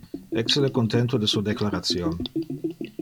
Ecce le contento de su declaration.